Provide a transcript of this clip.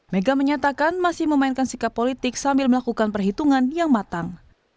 mega menyatakan masih memainkan sikap politik sambil melakukan perhitungan yang matang